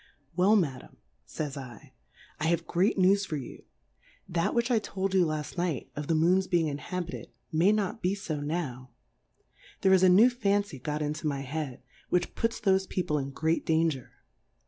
Well, Madam, fays 7, I have great News for you ; that which I told you laft Night, of the Moon's being inhabi ted Plurality (7/ WORLDS. 71 ted, may not be fo now : Tliere is a new Fancy got into my Head, which puts thoie People in great Danger.